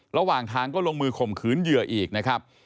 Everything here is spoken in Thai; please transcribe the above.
ระหว่างทางก็ลงมือคมขืนเหยื่ออีก